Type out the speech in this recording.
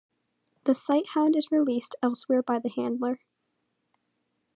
The sighthound is released elsewhere by the handler.